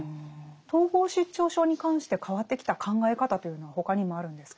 統合失調症に関して変わってきた考え方というのは他にもあるんですか？